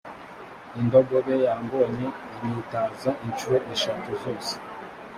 indogobe yambonye, inyitaza incuro eshatu zose.